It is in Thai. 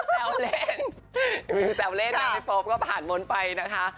แจ้วเล่นแต่ให้โปรปก็ผ่านมนล์ไปนะคะ